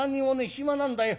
暇なんだよ。